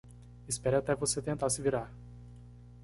Espere até você tentar se virar.